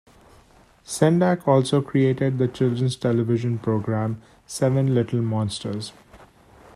Sendak also created the children's television program "Seven Little Monsters".